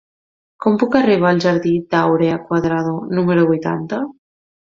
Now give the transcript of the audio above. Com puc arribar al jardí d'Áurea Cuadrado número vuitanta?